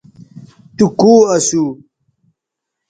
تو کو اسو